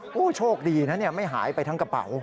ผู้โชคดีนะไม่หายไปทั้งกระเป๋า